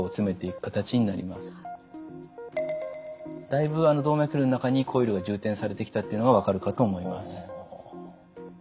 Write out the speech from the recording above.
だいぶ動脈瘤の中にコイルが充填されてきたというのが分かるかと思います。